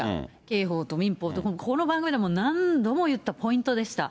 刑法と民放と、この番組で何度も言ったポイントでした。